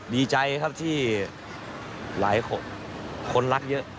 ดีใจครับที่หลายคนคนรักเยอะ